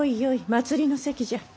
祭りの席じゃ。